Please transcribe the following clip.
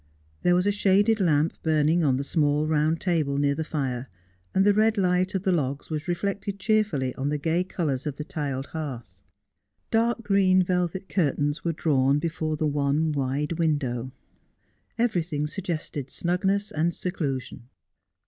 There was a shaded lamp burning on the small round table near the fire, and the red light of the logs was reflected cheerfully on the gay colours of the tded hearth. Dark green velvet curtains were drawn before the one wide window ; everything suggested snugness and seclusion.